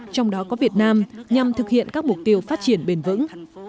trong đó có việt nam nhằm thực hiện các mục tiêu phát triển bền vững